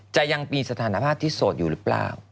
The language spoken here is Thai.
จะยังมีสถานภาพที่โสดอยู่หรือเปล่า